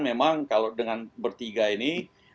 memang kalau dengan bertiga ini